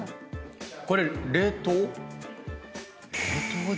これ冷凍？